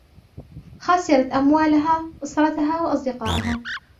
خسرت أموالها ، أسرتها وأصدقائها.